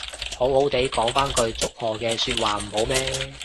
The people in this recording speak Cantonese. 好好哋講返句祝賀說話唔好咩